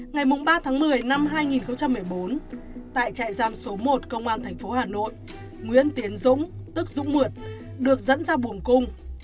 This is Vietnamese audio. ngày ba tháng một mươi năm hai nghìn một mươi bốn tại trại giam số một công an thành phố hà nội nguyễn tiến dũng được dẫn ra buồng cung